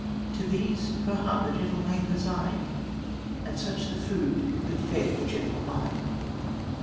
' To these her heart the gentle maid resigned And such the food that fed the gentle mind."